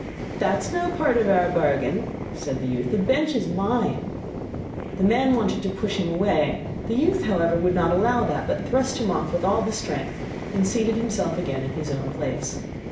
'That is no part of our bargain,' said the youth, 'the bench is mine.' The man wanted to push him away; the youth, however, would not allow that, but thrust him off with all his strength, and seated himself again in his own place.